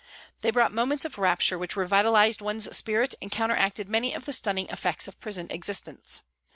They brought moments of rapture which revitalised one's spirit and counteracted many of the stunning effects of prison existence.